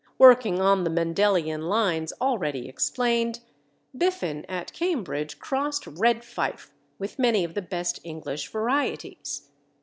Working on the Mendelian lines already explained, Biffen at Cambridge crossed Red Fife with many of the best English varieties.